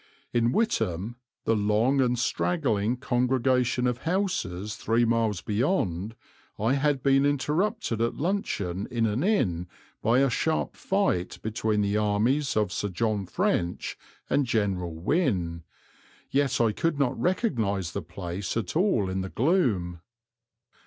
In Witham, the long and straggling congregation of houses three miles beyond, I had been interrupted at luncheon in an inn by a sharp fight between the armies of Sir John French and General Wynne; yet I could not recognize the place at all in the gloom.